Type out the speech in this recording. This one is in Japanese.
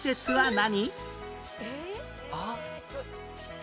何？